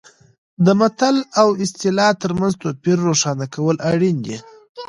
د متل او اصطلاح ترمنځ توپیر روښانه کول اړین دي